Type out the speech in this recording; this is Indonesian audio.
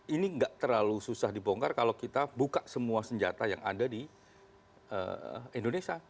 ini nggak terlalu susah dibongkar kalau kita buka semua senjata yang ada di indonesia